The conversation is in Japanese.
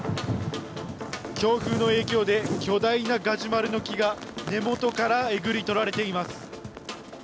強風の影響で、巨大なガジュマルの木が根元からえぐり取られています。